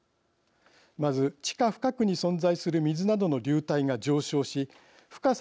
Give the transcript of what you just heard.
まず、地下深くに存在する水などの流体が上昇し深さ